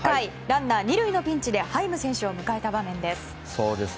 ランナー２塁のピンチでハイム選手を迎えた場面です。